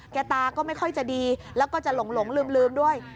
ตาก็ไม่ค่อยจะดีแล้วก็จะหลงลืมด้วย